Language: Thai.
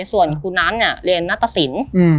ส่วนครูน้ำเนี่ยเรียนนัตตสิน